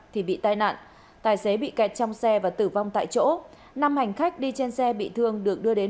thì bị tai nạn tài xế bị kẹt trong xe và tử vong tại chỗ năm hành khách đi trên xe bị thương được đưa đến